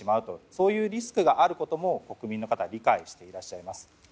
そういうリスクがあることも理解していらっしゃいます。